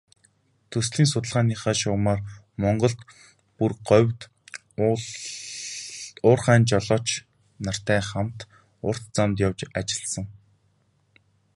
Төслийн судалгааныхаа шугамаар Монголд, бүр говьд уурхайн жолооч нартай хамт урт замд явж ажилласан.